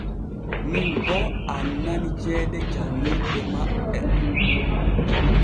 Min boo annani ceede janŋirde maɓɓe.